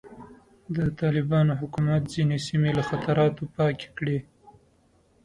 د طالبانو حکومت ځینې سیمې له خطراتو پاکې کړې.